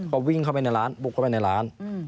ก็วิ่งเข้าไปในร้านบุกเข้าไปในร้าน